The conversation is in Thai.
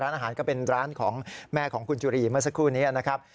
อาหารก็เป็นร้านของแม่ของคุณจุรีเมื่อสักครู่นี้นะครับ